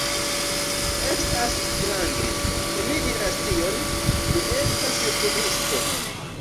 Estas strange, ke mi diras tion, mi estas jutubisto